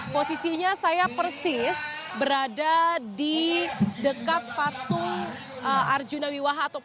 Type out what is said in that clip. posisinya saya persis berada di dekat patung arjuna wiwaha ataupun yang berada di dekat patung arjuna wiwaha